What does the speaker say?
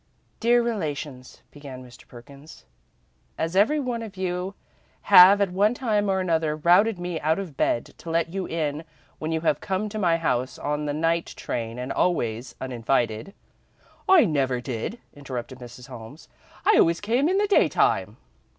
"'Dear Relations,'" began Mr. Perkins. "'As every one of you have at one time or another routed me out of bed to let you in when you have come to my house on the night train, and always uninvited '" "I never did," interrupted Mrs. Holmes. "I always came in the daytime."